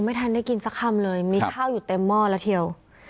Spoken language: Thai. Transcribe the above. ไม่ทันได้กินสักคำเลยมีข้าวอยู่เต็มหม้อแล้วเทียว